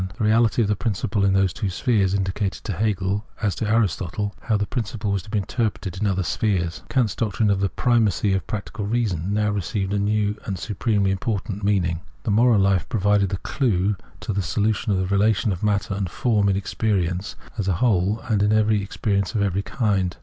The reality of the principle in those spheres indicated to Hegel, as to Aristotle, how the principle was to be interpreted in other spheres. Kant's doctrine of the " primacy of the practical reason " now received a new and supremely important meaning. The moral life provided the clue to the solu tion of the relation of matter and form in experience as a whole, and in experience of every kind.